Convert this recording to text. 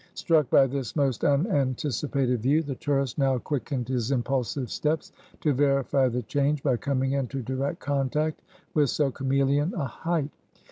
Struck by this most unanticipated view, the tourist now quickened his impulsive steps to verify the change by coming into direct contact with so chameleon a height.